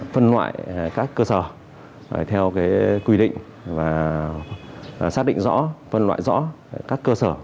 phân loại các cơ sở theo quy định và xác định rõ phân loại rõ các cơ sở